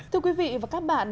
thưa quý vị và các bạn